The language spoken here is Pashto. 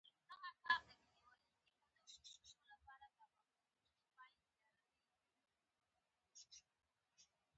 ټپي ته باید د درد کمولو هڅه وکړو.